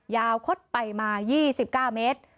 คดไปมา๒๙เมตร